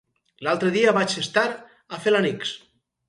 L'altre dia vaig estar a Felanitx.